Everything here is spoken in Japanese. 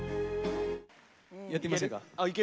やってみませんか？